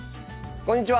こんにちは！